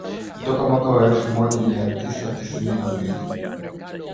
Kutoka mwaka wa elfu moja mia tisa tisini na mbili